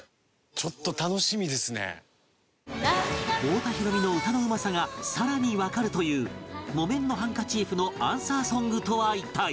太田裕美の歌のうまさがさらにわかるという『木綿のハンカチーフ』のアンサーソングとは一体？